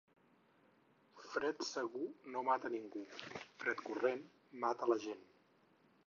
Fred segur no mata ningú, fred corrent mata la gent.